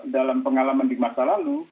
dalam pengalaman di masa lalu